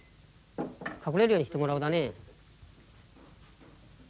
隠れるようにしてもらうだね。